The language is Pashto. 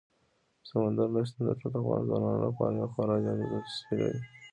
سمندر نه شتون د ټولو افغان ځوانانو لپاره یوه خورا جالب دلچسپي لري.